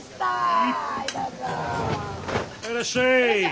いらっしゃい。